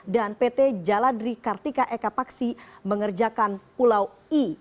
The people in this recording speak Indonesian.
dan pt jaladri kartika ekapaksi mengerjakan pulau i